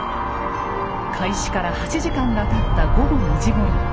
開始から８時間がたった午後２時ごろ。